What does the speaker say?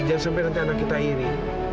jangan sampai nanti anak kita ini